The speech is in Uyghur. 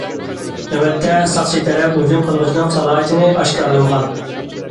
نۆۋەتتە، ساقچى تەرەپ ھۇجۇم قىلغۇچىنىڭ سالاھىيىتىنى ئاشكارىلىمىغان.